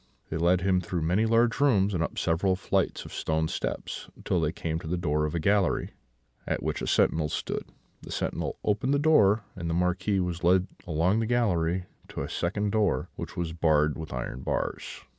They led him through many large rooms, and up several flights of stone steps, till they came to the door of a gallery, at which a sentinel stood; the sentinel opened the door, and the Marquis was led along the gallery to a second door, which was barred with iron bars.